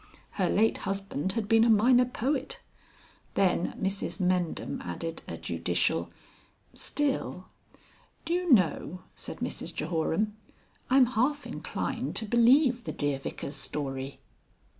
Her late husband had been a minor poet. Then Mrs Mendham added a judicial "Still " "Do you know," said Mrs Jehoram, "I'm half inclined to believe the dear Vicar's story."